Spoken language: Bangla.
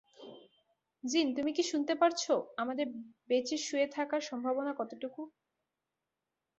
জিন তুমি কি শুনতে পারছো আমাদের বেঁচে শুয়ে থাকার সম্ভাবনা কতটুকু?